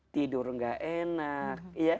tidur gak enak